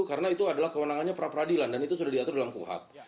karena itu adalah kewenangannya pra peradilan dan itu sudah diatur dalam kuhap